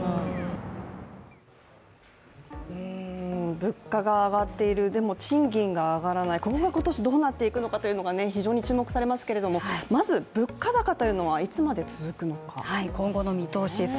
物価が上がっている、でも賃金が上がらない、今後どうなっていくのか非常に注目されますけれども、まず、物価高というのはいつまで続くのかですよね。